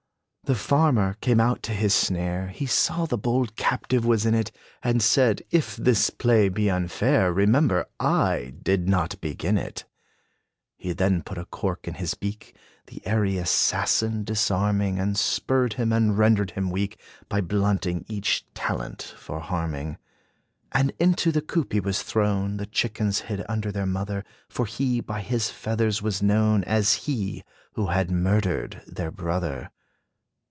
The farmer came out to his snare. He saw the bold captive was in it; And said, "If this play be unfair, Remember, I did not begin it!" He then put a cork on his beak, The airy assassin disarming, Unspurred him, and rendered him weak, By blunting each talent for harming. And into the coop he was thrown: The chickens hid under their mother, For he, by his feathers was known As he, who had murdered their brother.